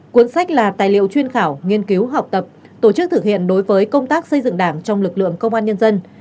cuốn sách là tài liệu chuyên khảo nghiên cứu học tập tổ chức thực hiện đối với công tác xây dựng đảng trong lực lượng công an nhân dân